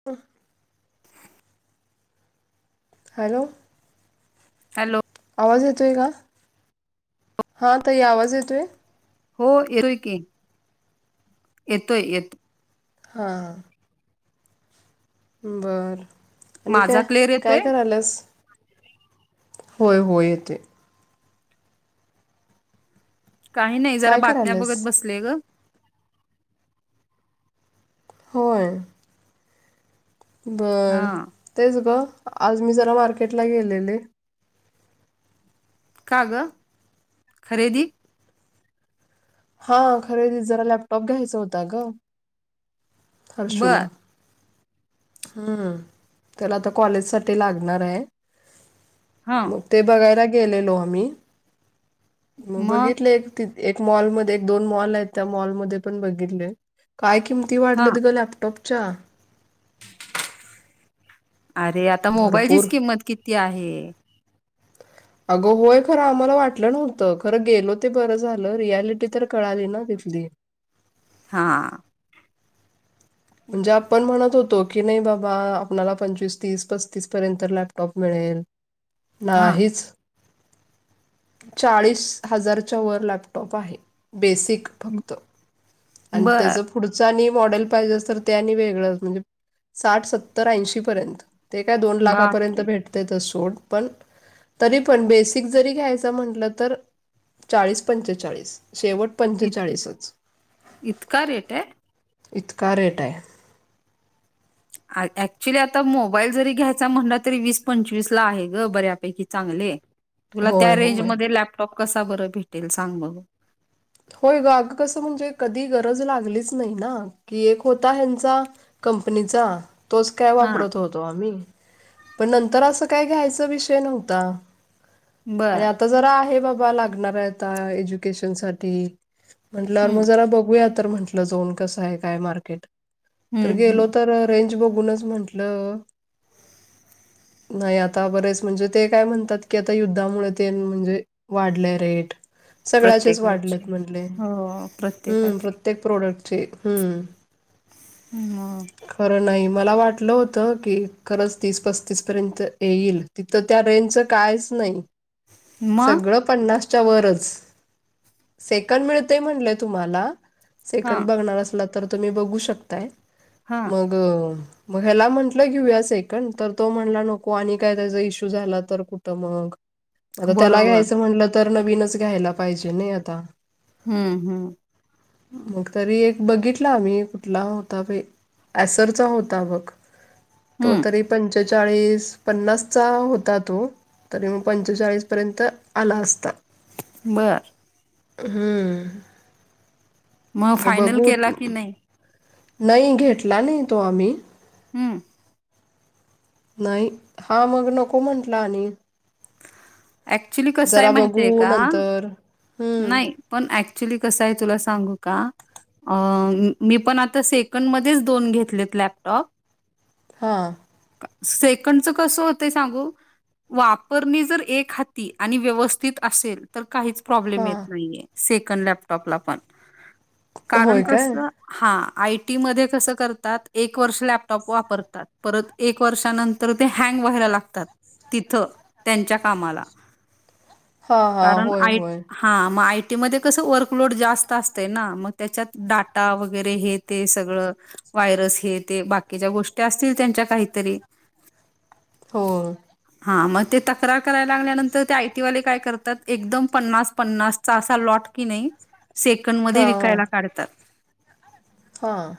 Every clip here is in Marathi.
[unintelligible] [inaudible] हॅलो हॅलो आवाज येतोय का हा ताई आवाज येतोय हो येतोय की येतोय-येतोय हा बर आणि माझा क्लिअर येतोय काय-काय कराल्यास होय -होय येतोय काही नाही जरा काय बातम्या करायल्यास बघत बसलेय ग होय हा बरं तेच ग आज मी जरा मार्केटला गेलेले का ग खरेदी हा खरेदी जरा लॅपटॉप घ्यायचा होता ग हर्षुला बर हम्म त्याला आता कॉलेज साठी लागणार हाय हा ते बघायला गेलेलो आम्ही मग बघितले त एक मॉलमध्ये एक-दोन मॉल आहेत त्या मॉलमध्ये पण बघितले काय किंमती हा वाढल्यात ग लॅपटॉपच्या अरे आता भरपूर मोबाईलचीच किंमत किती आहे अगं होय खरं आम्हाला वाटलं नव्हत खर गेलो ते बर झाल रियालिटी तर कळाली ना तिथली हा म्हणजे आपण म्हणत होतो की नाही बाबा आपनाला पंचवीस- तीस -पस्तीस पर्यंत तर लॅपटॉप मिळेल ना हा हेच चाळीस हजारच्या वर लॅपटॉप आहे बेसिक फक्त. आणि बर त्याचं पुढचं आणि मॉडेल पाहिजे असेल तर त्यानी वेगळंच म्हणजे साठ सत्तर ऐंशी पर्यंत. ते काय दोन लाखापर्यंत बापरे भेटत. तर सोड तरी पण बेसिक जरी घ्यायचं म्हटलं तर चाळीस पंचेचाळीसच शेवट इत पंचाच्या. इतका रेट आहे. ईतका रेट आहे. ऍक्च्युली आता मोबाईल जरी घ्यायचा म्हणल, तरी वीस पंचवीस ला आहे ग बऱ्यापैकी चांगले. तुला होय त्या रेंज होय मध्ये लॅपटॉप कसा बरं भेटेल सांग मग? होय ग अग कसं म्हणजे? कधी गरज लागलीच नाही ना की एक होता ह्यांचा कंपनीचा. तोच काय हा वापरत होतो आम्ही. पण नंतर असं काय घ्यायचा विषय नव्हता. बर आणि आता जरा आहे बाबा लागणार आता एज्युकेशन साठी. म्हंटलं मग हम्म जरा बघूया तर म्हंटलं जाऊन कसं आहे काय मार्केट? हम्म तर हम्म गेलो तर रेंज बघूनच म्हंटलं नाही आता बरेच म्हणजे ते काय म्हणतात की आता युद्धामुळे ते न म्हणजे वाढले रेट सगळ्याचेच प्रत्येकाची वाढलेत म्हटले हो म्म् प्र्य प्रत्येकाची ते प्रॉडक्टचे हम्म. ह मग खरं नाही मला वाटलं होतं की खरंच तीस पस्तीस पर्यंत येईल. तिथं त्या रेंजचं कायच नाही. मग सगळं पन्नासच्या वरच. सेकंड मिळतेय म्हणलेय तुम्हाला. हा सेकंड बघणार असला तर तुम्ही बघू शकताय. हा मग मग ह्याला म्हटलं घेऊया सेकंड तर तो म्हणला नको आणि काय त्याचा इश्यू झाला. तर कुठं मग. आता त्याला बरोबर घ्यायचं म्हटलं तर, नवीनच घ्यायला पाहिजे नाही आता. हम्म, हम्म. मग तरी एक बघितला आम्ही कुठला होता प ॲसरचा होता बघ तो हम्म तरी पंचेचाळीस पन्नासाव्या तो. तरी मग पंचेचाळीस पर्यंत आला असता. [inaudible] बर. मग हं [inaudible] फायनल बघुत केला की नाही नाही घेतला नाही तो आम्ही. हम्म. नाही हा मग नको म्हटला आणि ऍक्च्युली कसं आहे जरा माहती बघू आहे का? नंतर हं. नाही पण ऍक्च्युली आहे तुला सांगु का? अ मी पण आता सेकंडमध्येध्येच दोन घेतलेत लॅपटॉप. हां. सेकंडच कसं होतय सांगू? वापरणी जर एक हाती आणि, व्यवस्थित असेल तर काहीच प्रॉब्लेम येत हां नाहीे. सेकंड लॅपटॉपला पण कारण होय काय कसं? हा आयटी मध्ये कसं करतात? एक वर्ष लॅपटॉप वापरतात परत एक वर्षानंतर ते हँग व्हायला लागतात. तिथं त्यांच्या कामाला. हां हां कारण होय आईट.. होय हा मग, आयटी मध्ये कसं? वर्कलोड जास्त असतय ना, मग त्याच्यात डाटा वगैरे हे!.. ते सगळ, वयरस, हे ते बाकीच्या गोष्टी असतील त्यांच्या काहीतरी. हो. हा, मग ते तक्रार करायला लागल्या नंतर, ते आय टी वाले काय करतात? एकदम पन्नास.. पन्नास असा लॉट कि नाही, सेकंड म हां हां विकायला काढतात. हां.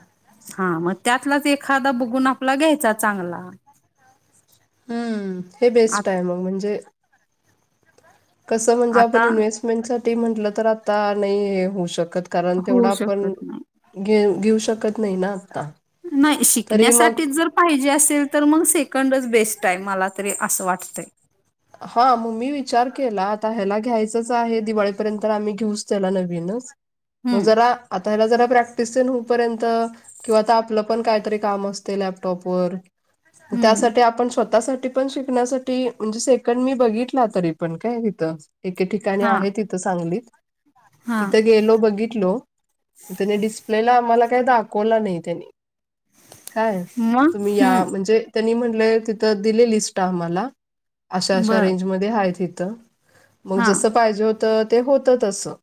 हा मग, त्यातलाच एखादा बुघून आपला घ्यायचा चांगला. हम्म हे आ बेस्ट आहे. मग म्हणजे? कसं म्हणजे? आपण आता इन्व्हेस्टमेंट साठी म्हटलं तर, आता नाही होऊ शकत. कारण, तेवढा होऊ आपण शकत नाही. घे घेऊ शकत नाही ना आता. नाही, शिकण्यासाठी तर.. पाहिजे असेल, तर मग सेकंडच बेस्ट आहे. मला तरी असं वाटतंय. हा. मग मी विचार केला. आता ह्याला घ्यायचच आहे, दिवाळीपर्यंत आम्ही घेऊच त्याला नवीन-.. मग हम्म जरा आता हला, जरा प्रॅक्टिस होऊ पर्यंत-.. किंवा ता आपलं पण कायतरी काम असते लॅप टॉप वर-. हम्म त्यासाठी आपण स्वतःसाठी पण शिकण्यासाठी म्हणजे? पण मी बघितला, तरी पण काय तिथं, एके ठिकाणी हा आहे तिथं सांगलीत-.. हा तिथं गेलो, बघी-.. त्या डिस्प्लेला काही, दाखवला त्यानी. काय? मग तुम्ही या हम्म म्हणजे? त्यांनी म्हंलं तिथ दिले लिस्ट आम्हाला. अशा, अशा बर रेंज मध्ये आहेत. इथं मग हा जसं पाहिजे होत.. ते होतं तसं,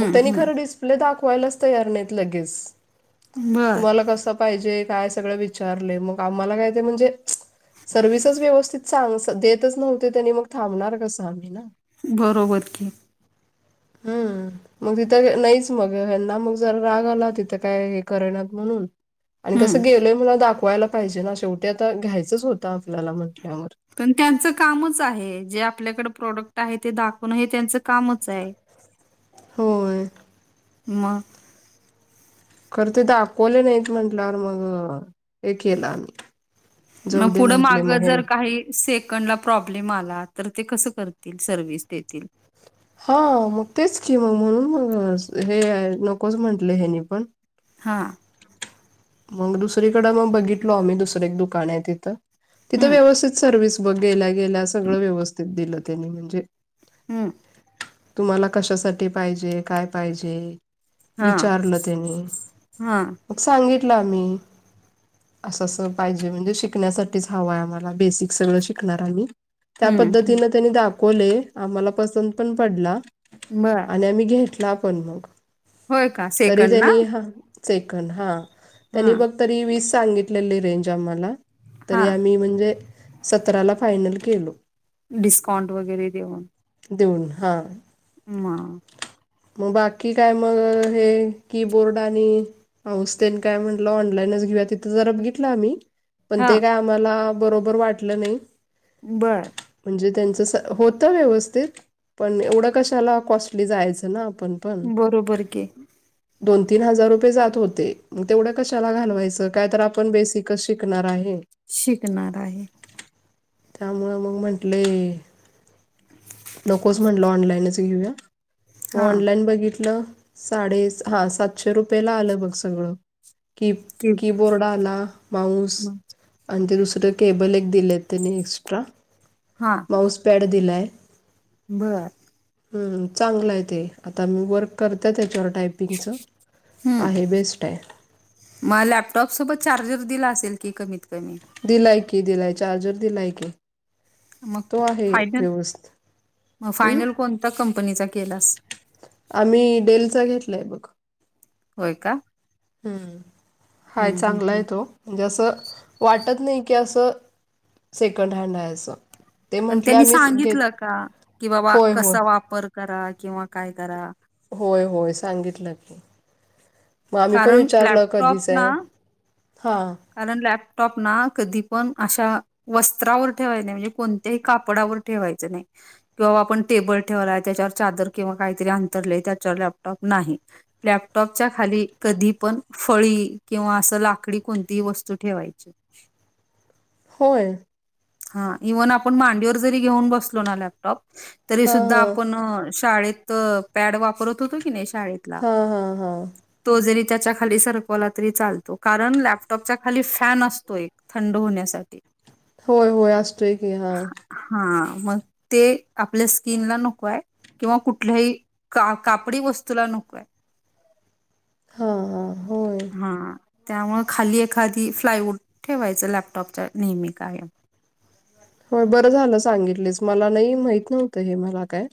मग तेव्हढी हम्म खर्च,.. आपले दाखवायलाच तयार नाही लगेच, बर तुम्हाला क-?.. पाहीजे काय सगळे विचारले. मग आम्हाला काय ते म्हंजे? सर्विस व्यवस्थित साप-.. देतच नव्हते. त्यांनी मग थांबणार कसं आम्ही ना.? बरोबर की. हम्म. मग तिथं नाहीच मग ना मग जर राग आला तिथं काय? हे करयणार म्हणून. आणि हम्म कसं गेलय म्हला दाखवायला पाहिजे, ना शेवटी आता घ्यायचंच होत, आपल्याला म्हटल्यावर,.. पण त्यांचं कामच आहे, जे आपल्याकडे, प्रोडक्ट आहे. ते दाखवून हे त्यांचं कामच आहे. होय. मग,.. खर तर, दाखवले नाहीत, म्हंटल्यावर हे केलं आम्ही. जाऊ मग, दे पुढं, म्हटले माग मग जर ह्यानी. काही, सेकंडला प्रॉब्लेम आला, तर ते कसं करतील? सर्व्हिस देतील. हा. तेच की मग म्हणून म, हे नकोच म्हटलं पण, हां! मग दुसरीकडे मग बघितलो आम्ही, दुसर एक दुकान आहे. तिथं, तिथं हम्म व्यवस्थित सर्विस.. गेल्या, गेल्या सगळ व्यवस्थित दिलं. त्यांनी म्हणजे.. हम्म. तुम्हाला कशासाठी पाहिजे? काय पाहिजे.? हा विचारले तेन्ही, हा त्यांनी मग सांगितलं आम्ही. अस अस पाहिजे. म्हणजे शिकण्यासाठीच हव आहे आम्हाला. बेसिक सगळ शिकणार आम्ही. त्या हम्म हम्म पद्धतीने त्यांनी दाखवले. आम्हाला पसंत पण पडला. मग आणि आम्ही घेतला पण मग. होय का तरी सेकंड ना त्यांनी, हा सेकंड हा. हा त्यांनी बघ तरी वीस सांगितलेली रेंज आम्हाला. हा तरी आम्ही म्हणजे सतराला फायनल केलो. डिस्काउंट वगैरे देऊन. देऊन हा. म मग बाकी काय मग हे, कीबोर्ड आणि पाऊस तेन काय म्हटल, ऑनलाईनच घेऊया. तिथ जरा बघितल आम्ही. पण हा ते काय आम्हाला बरोबर वाटल नाही. बर म्हणजे त्यांच होत व्यवस्थित. पण एवढ कशाला कॉस्टली जायच ना. आपण पण बरोबर की दोन-तीन हजार रुपये जात होते. तेवढ कशाला घालवायच. काय तर आपण बेसिक शिकणार आहे. शिकणार आहे. त्यामुळ मग म्हटले नकोच म्हटल ऑनलाईनच घेऊया. हा ऑनलाईन बघितल. साडे हा सातशे रुपयेला आल बग सगळ. कि की-कीबोर्ड आला. माऊस म आणि ते दुसर केबल एक दिले त्यांनी एक्स्ट्रा. हा माऊसपॅड दिलाय. बर हम्म चांगल आहे ते. आता मी वर्क करते त्याच्यावर टायपिंगच. हम्म आहे बेस्ट आहे. मग लॅपटॉप सोबत चार्जर दिला असेल की कमीत-कमी. दिलाय की, दिलाय चार्जर दिलाय की. मग तो आहे फायनल, व्यवस्थित मग हम्म, फायनल कोणत्या कंपनीचा केलास? आम्ही डेलचा घेतलाय बघ. होय का? हम्म, हाय हम्म हम्म चांगला आहे हम्म तो. म्हणजे अस वाटत नाही की अस सेकंड हँड आहे अस. पण त्यांनी सांगितल का कि बाबा होय होय कसा वापर करा. किंवा काय करा. होय होय सांगितल की. मग आम्ही पण कारण विचारल कधीचा आहे? हा आणि लॅपटॉप ना कधी पण अशा वस्त्रावर ठेवाय नाही. म्हणजे कोणत्याही कापडावर ठेवायच नाही. किंवा आपण टेबल ठेवलाय, त्याच्यावर चादर किंवा काहीतरी अंतरले त्याच्यावर लॅपटॉप नाही. लॅपटॉपच्या खाली कधी पण फळी, किंवा अस लाकडी कोणती ती वस्तू ठेवायची. होय. हा इव्हन आपण मांडीवर जरी घेऊन बसलो ना लॅपटॉप तरी हां सुद्धा हां आपण शाळेत पॅड वापरत होतो की नाही शाळेत. हा हा हा तो जरी त्याच्या खाली सरकवला तरी चालतो, कारण लॅपटॉपच्या खाली फॅन असतो एक थंड होण्यासाठी. होय होय असतोय की हा. हा मग ते आपल्या स्किन ला नकोय किंवा कुठल्याही का कापडी वस्तूला नकोय. [inaudible] हां होय हा त्यामुळे खाली एखादी फ्लायवूड ठेवायचं लॅपटॉपच्या नेहमी कायम. हो बरं झालं सांगितलीस, मला नाही माहित नव्हत हे मला काय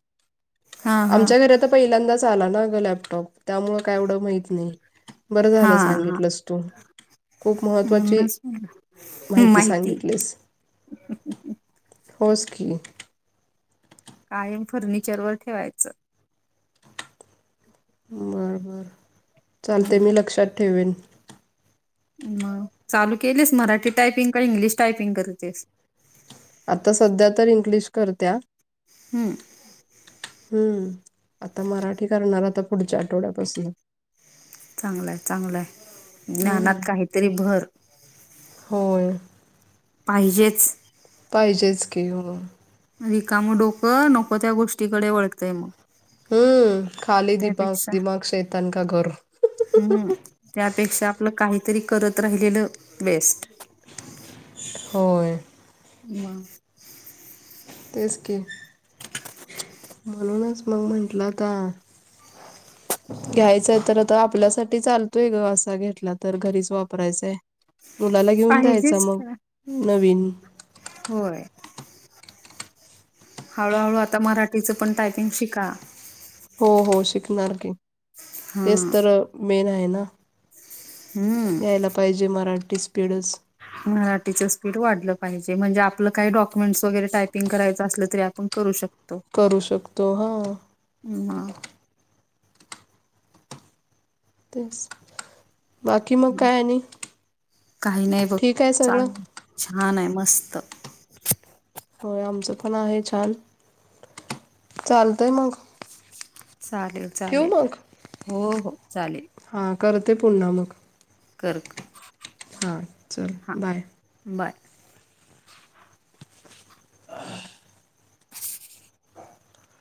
हा हा आमच्या घरात त पहिल्यांदाच आला ना अगं लॅपटॉप. त्यामुळं काय एवढं माहित नाही, बरं हा झालं हा सांगितलंस तू. खूप महत्त्वाची म्हणूनच म्हणलं. माहिती सांगितलीस. होस की कायम फर्निचरवर ठेवायचं. बर बर चालते हम्म. मी लक्षात ठेवीन. मग चालू केलेस मराठी टायपिंग का इंग्लिश टायपिंग करतेस? आता सध्या तर इंग्लिश करत्या. हम्म हम्म आता मराठी करणार आता पुढच्या आठवड्यापासून. चांगलंय चांगलंय हम्म. ज्ञानात काहीतरी भर. होय. पाहिजेच. पाहिजेच की हो. रिकाम डोकं नको त्या गोष्टीकडे वळतंय मग. हम्म खाली दिमाक त्यापेक्षा दिमाग शैतान का घर. हम्म त्यापेक्षा आपलं काहीतरी करत राहिलेलं बेस्ट. होय म तेच की म्हणूनच मग म्हंटलं आता [inaudible] घ्यायचंय तर आता आपल्यासाठी चालतोय ग असा घेतला तर, घरीच वापरायचंय. मुलाला घेऊन द्यायचा पाहिजेच मग का नवीन. होय हळूहळू आता मराठीचं पण टायपिंग शिका. हो हो शिकणार की हा तेच तर मेन आहे. हम्म यायला पाहिजे मराठी स्पीडच मराठीच स्पीड वाढलं पाहिजे, म्हणजे आपलं काही तरी डॉक्युमेंट्स वगैरे टायपिंग करायचं असलं तरी आपण करू शकतो. करू शकतो हा. हम्म हा तेच, बाकी मग काय आहे आणि काही नाही बघ ठीक आहे सगळं? चालेल छान आहे, मस्त! होय आमचं पण आहे छान, चालतय मग. चालेल ठेवू चालेल हो हो चालेल. हा करते पुन्हा मग. कर कर. हां चल हां बाय. बाय.